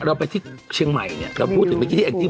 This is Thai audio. เราไปที่เชียงใหม่เนี่ย